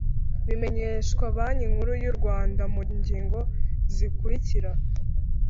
bimenyeshwa banki nkuru y’u rwanda mu ngingo zikurikira